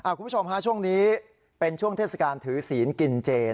คุณผู้ชมฮะช่วงนี้เป็นช่วงเทศกาลถือศีลกินเจน